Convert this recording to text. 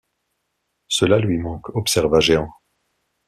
Cela lui manque, observa Jehan.